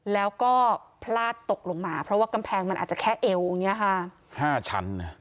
แล้วก็พลาดตกลงมาเพราะว่ากำแพงมันอาจจะแค่เอวอย่างเงี้ยค่ะห้าชั้น